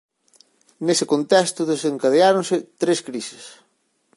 Nese contexto desencadeáronse tres crises.